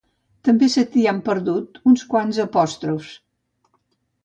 També se t'hi han perdut uns quants apòstrofs